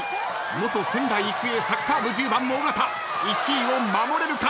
元仙台育英サッカー部１０番尾形１位を守れるか？